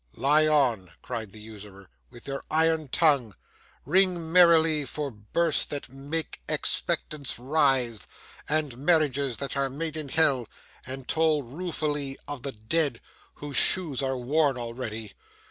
'Lie on!' cried the usurer, 'with your iron tongue! Ring merrily for births that make expectants writhe, and marriages that are made in hell, and toll ruefully for the dead whose shoes are worn already!